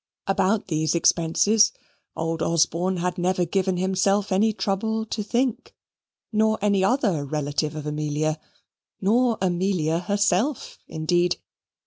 About these expenses old Osborne had never given himself any trouble to think, nor any other relative of Amelia, nor Amelia herself, indeed.